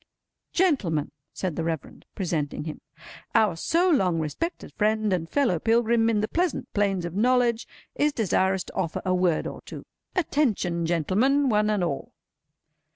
"Gentlemen," said the Reverend, presenting him, "our so long respected friend and fellow pilgrim in the pleasant plains of knowledge, is desirous to offer a word or two. Attention, gentlemen, one and all!"